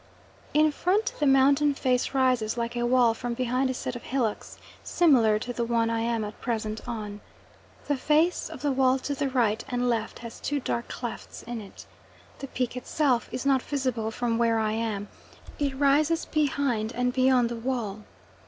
In front the mountain face rises like a wall from behind a set of hillocks, similar to the one I am at present on. The face of the wall to the right and left has two dark clefts in it. The peak itself is not visible from where I am; it rises behind and beyond the wall.